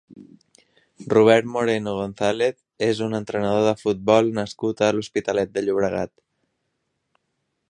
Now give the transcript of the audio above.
Robert Moreno González és un entrenador de futbol nascut a l'Hospitalet de Llobregat.